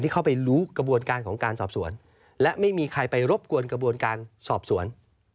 เข้าไปรู้กระบวนการของการสอบสวนและไม่มีใครไปรบกวนกระบวนการสอบสวน